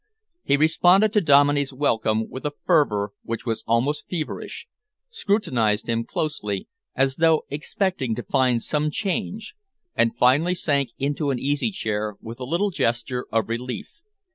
He responded to Dominey's welcome with a fervour which was almost feverish, scrutinised him closely, as though expecting to find some change, and finally sank into an easy chair with a little gesture of relief.